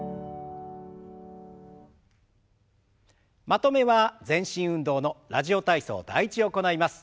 まとめは全身運動の「ラジオ体操第１」を行います。